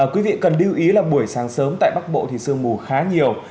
quý vị cần lưu ý là buổi sáng sớm tại bắc bộ thì sương mù khá nhiều